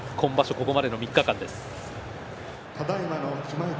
ここまでの３日間です。